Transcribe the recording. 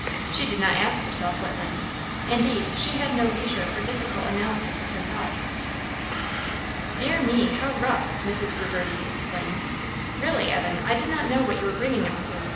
She did not ask herself what then. Indeed, she had no leisure for difficult analysis of her thoughts. "Dear me, how rough!" Mrs. Reverdy exclaimed. "Really, Evan, I did not know what you were bringing us to.